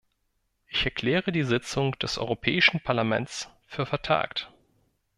Ich erkläre die Sitzung des Europäischen Parlaments für vertagt.